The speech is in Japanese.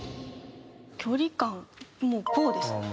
距離感もうこうですね。